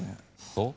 そう？